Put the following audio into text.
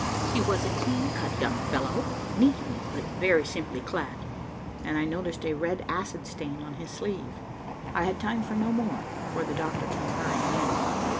He was a clean cut young fellow, neatly but very simply clad, and I noticed a red acid stain on his sleeve. I had time for no more, for the doctor came hurrying in.